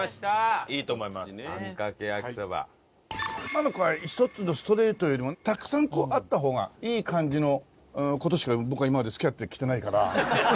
女の子は１つのストレートよりもたくさんこうあった方がいい感じの子としか僕は今まで付き合ってきてないから。